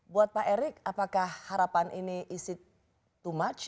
buat pak erick apakah harapan ini is it to march